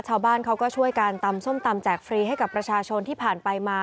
ชาวบ้านเขาก็ช่วยกันตำส้มตำแจกฟรีให้กับประชาชนที่ผ่านไปมา